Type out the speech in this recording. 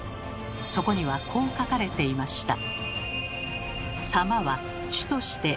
そこにはこう書かれていました。